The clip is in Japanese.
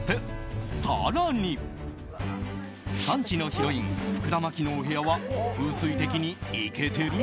更に３時のヒロイン福田麻貴のお部屋は風水的にイケてる？